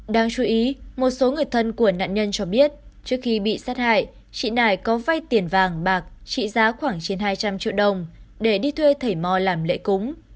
đáng chú ý một số người thân của nạn nhân cho biết trước khi bị sát hại chị nải có vay tiền vàng bạc trị giá khoảng trên hai trăm linh triệu đồng để đi thuê thầy mò làm lễ cúng